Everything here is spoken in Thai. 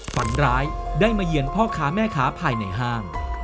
ฝันร้ายได้มาเยือนพ่อค้าแม่ค้าภายในห้าง